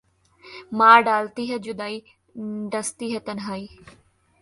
मार डालती है जुदाई, डंसती है तन्हाई...